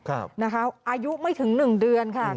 อายุไม่ถึง๑เดือนค่ะ